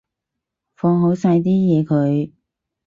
放好晒啲嘢佢